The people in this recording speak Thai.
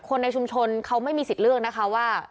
ในชุมชนเขาไม่มีสิทธิ์เลือกนะคะว่า